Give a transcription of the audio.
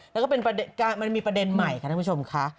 แล้วก็มันมีประเด็นใหม่ค่ะท่านผู้ชมค่ะ